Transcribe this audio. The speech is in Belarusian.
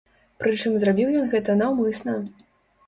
Прычым зрабіў ён гэта наўмысна.